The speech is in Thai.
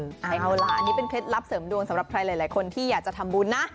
เอาล่ะอันนี้เป็นเคล็ดลับเสริมดวงสำหรับใครหลายคนที่อยากจะทำบุญนะ